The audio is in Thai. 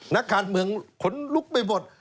นักการเมืองขนลุกไปหมด